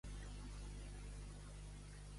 El jutge tenia fama de ser una bona persona?